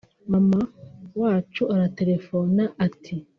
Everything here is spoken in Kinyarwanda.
mama wacu aratelefona ati